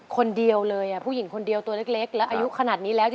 คนเดียวเลยผู้หญิงคนเดียวตัวเล็กแล้วอายุขนาดนี้แล้ว